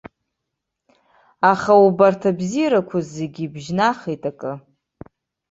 Аха убарҭ абзиарақәа зегьы бжьнахит акы.